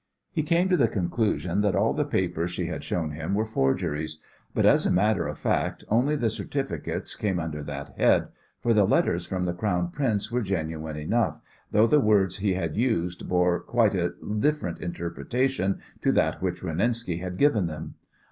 He came to the conclusion that all the papers she had shown him were forgeries, but, as a matter of fact, only the certificates came under that head, for the letters from the Crown Prince were genuine enough, though the words he had used bore quite a different interpretation to that which Renenski had given them.